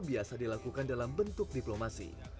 biasa dilakukan dalam bentuk diplomasi